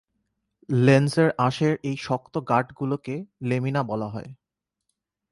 লেন্সের আঁশের এই শক্ত গাঁটগুলোকে লেমিনা বলা হয়।